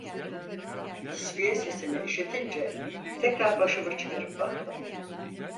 Nısfiye sesini işitince tekrar başımı çıkarıp baktım.